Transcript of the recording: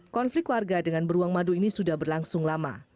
konflik warga dengan beruang madu ini sudah berlangsung lama